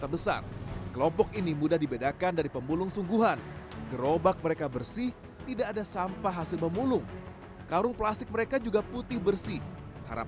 sesaat lagi di lulifax